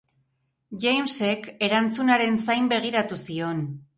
Jamesek erantzunaren zain begiratu zion.